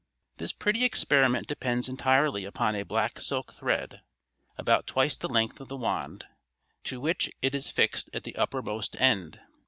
This pretty experiment depends entirely upon a black silk thread, about twice the length of the wand, to which it is fixed at the uppermost end.